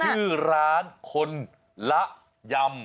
ชื่อร้านคนละยำ